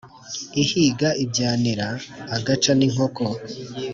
Ihiga ibyanira agaca n’inkoko